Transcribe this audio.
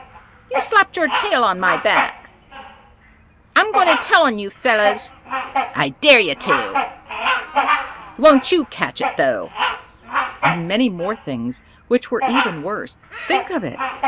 "You slapped your tail on my back!" "I'm going to tell on you fellows!" "I dare you to!" "Won't you catch it though!" And many more things which were even worse. Think of it.